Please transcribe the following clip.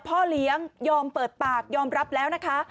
พ่อเลี้ยงยอมเปิดปากยอมรับแล้วนะคะ